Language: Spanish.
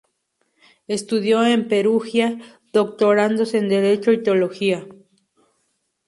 Estudió en Perugia, doctorándose en Derecho y Teología.